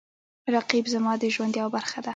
رقیب زما د ژوند یوه برخه ده